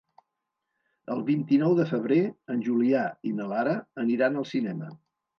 El vint-i-nou de febrer en Julià i na Lara aniran al cinema.